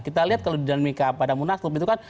kita lihat kalau di danmika pada munaslup itu kan